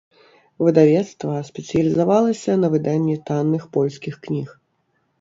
Выдавецтва спецыялізавалася на выданні танных польскіх кніг.